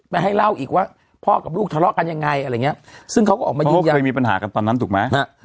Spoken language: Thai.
ให้เล่าอีกว่าพ่อกับลูกทะเลาะกันยังไงอะไรอย่างเงี้ยซึ่งเขาก็ออกมายืนยันเคยมีปัญหากันตอนนั้นถูกไหมฮะ